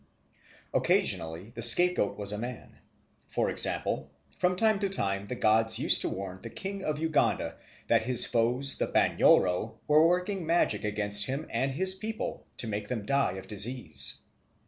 Occasionally the scapegoat is a man. For example, from time to time the gods used to warn the King of Uganda that his foes the Banyoro were working magic against him and his people to make them die of disease.